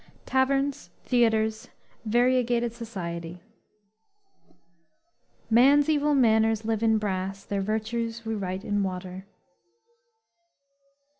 TAVERNS. THEATRES. VARIEGATED SOCIETY. _"Man's evil manners live in brass; Their virtues we write in water."